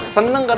seneng kan lo